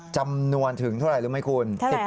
จำนวนถึงเท่าไหร่รู้ไหมคุณ